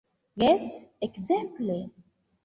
Jes; ekzemple?